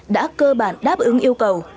đã cơ bản đáp ứng yêu cầu